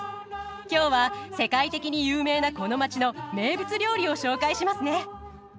今日は世界的に有名なこの街の名物料理を紹介しますね。